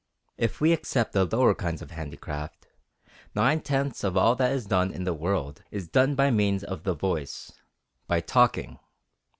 If we except the lower kinds of handicraft, nine tenths of all that is done in the world is done by means of the voice, by talking.